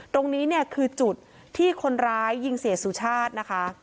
ตรงนี้เนี่ยคือจุดที่คนร้ายยิงเสียสุชาตินะคะ